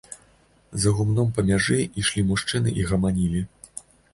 За гумном, па мяжы, ішлі мужчыны і гаманілі.